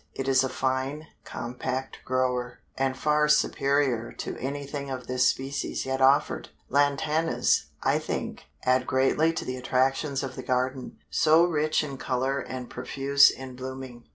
It is a fine, compact grower, and far superior to anything of this species yet offered. Lantanas, I think, add greatly to the attractions of the garden, so rich in color and profuse in blooming.